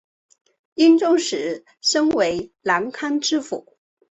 英宗时升为南康知府。